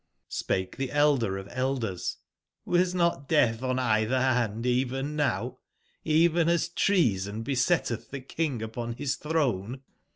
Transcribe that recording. Spake the Blder of Blders: ''CCfas not death on cither band e'en now, even as treason besetteth the king upon bis throne